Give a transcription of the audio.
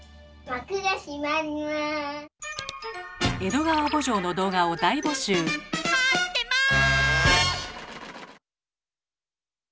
待ってます！